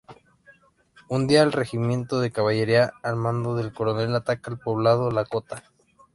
Un día, el regimiento de caballería, al mando del Coronel, ataca el poblado lakota.